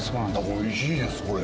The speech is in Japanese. おいしいですこれ。